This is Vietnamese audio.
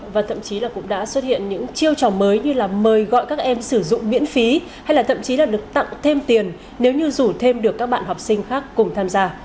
và thậm chí là cũng đã xuất hiện những chiêu trò mới như là mời gọi các em sử dụng miễn phí hay là thậm chí là được tặng thêm tiền nếu như rủ thêm được các bạn học sinh khác cùng tham gia